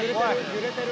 揺れてる。